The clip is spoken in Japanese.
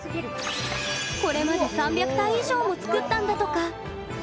これまで３００体以上も作ったんだとか。